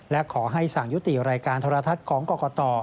และขอให้สั่งยุติรายการโทรทัศน์ของกรกต